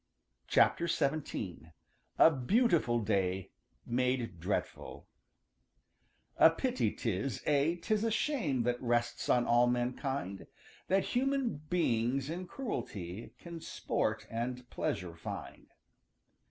XVIII. A BEAUTIFUL DAY MADE DREADFUL ```A pity 'tis, aye, 'tis a shame ````That rests on all mankind, ```That human beings in cruelty ````Can sport and pleasure find.